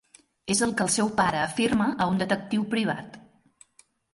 És el que el seu pare afirma a un detectiu privat.